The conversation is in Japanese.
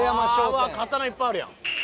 うわっ刀いっぱいあるやん。